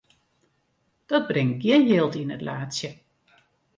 Dat bringt gjin jild yn it laadsje.